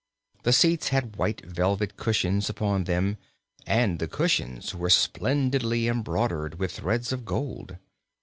The seats had white velvet cushions upon them and the cushions were splendidly embroidered with threads of gold.